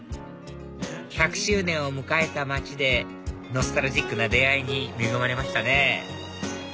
１００周年を迎えた街でノスタルジックな出会いに恵まれましたね